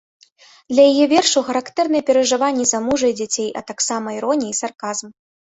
Для яе вершаў характэрныя перажыванні за мужа і дзяцей, а таксама іронія і сарказм.